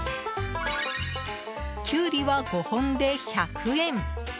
キュウリは５本で１００円。